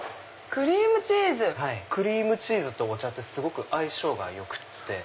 クリームチーズとお茶ってすごく相性が良くて。